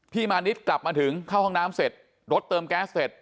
มานิดกลับมาถึงเข้าห้องน้ำเสร็จรถเติมแก๊สเสร็จ